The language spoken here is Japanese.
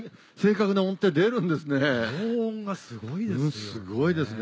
高音がすごいですね。